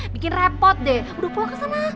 bikin repot deh udah puh kesana